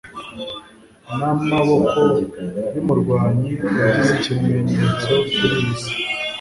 Namaboko yumurwanyi wagize ikimenyetso kuri iyi si